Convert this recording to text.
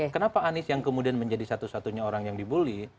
kenapa anies yang kemudian menjadi satu satunya orang yang dibully